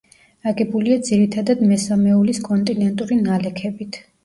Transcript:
აგებულია ძირითადად მესამეულის კონტინენტური ნალექებით.